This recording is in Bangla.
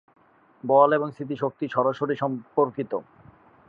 বল এবং স্থিতি শক্তি সরাসরি সম্পর্কিত।